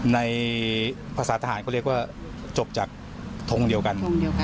ในภาษาทหารเขาเรียกว่าจบจากทงเดียวกัน